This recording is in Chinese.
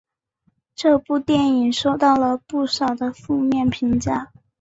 这部电影收到了不少的负面评价。